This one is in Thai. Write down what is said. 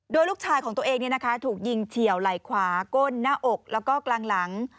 โดยลูกชายของตัวเองถูกยิงเฉียวไหล่ขวาก้นหน้าอกแล้วก็กลางหลัง